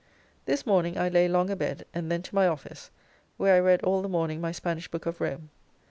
This morning I lay long abed, and then to my office, where I read all the morning my Spanish book of Rome.